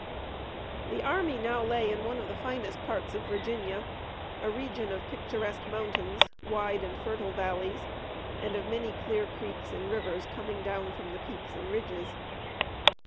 The army now lay in one of the finest parts of Virginia, a region of picturesque mountains, wide and fertile valleys, and of many clear creeks and rivers coming down from the peaks and ridges.